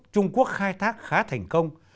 trung quốc khai thác khá thành công